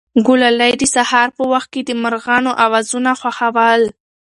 ګلالۍ د سهار په وخت کې د مرغانو اوازونه خوښول.